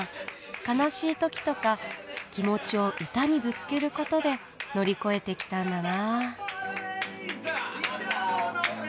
悲しい時とか気持ちを歌にぶつけることで乗り越えてきたんだな。